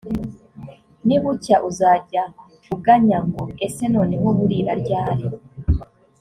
nibucya, uzajya uganya ngo «ese noneho burira ryari?»;